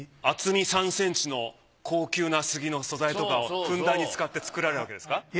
厚み３センチの高級な杉の素材とかをふんだんに作って作られたわけですか？